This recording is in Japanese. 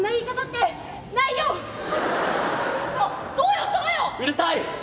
「うるさい！